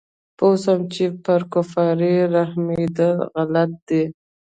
پوه سوم چې پر کفارو رحمېدل غلط دي.